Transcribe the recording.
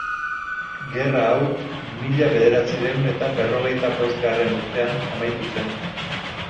Gerra hau mila bederatziehun eta berrogeita bosgarren urtean amaitu zen.